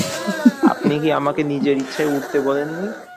আপনি কি আমাকে নিজের ইচ্ছায় উড়তে বলেননি?